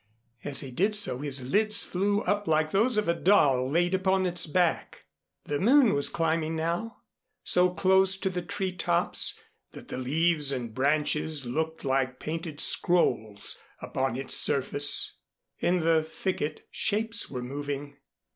As he did so his lids flew up like those of a doll laid upon its back. The moon was climbing now, so close to the tree tops that the leaves and branches looked like painted scrolls upon its surface. In the thicket shapes were moving.